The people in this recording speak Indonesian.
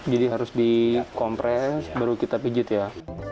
jadi harus dikompres baru kita pijat ya